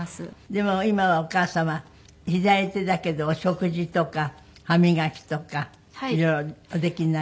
でも今はお母様左手だけでお食事とか歯磨きとか色々おできになるようになった。